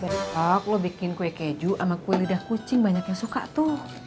aku bikin kue keju sama kue lidah kucing banyak yang suka tuh